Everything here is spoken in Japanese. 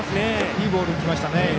いいボールきましたね。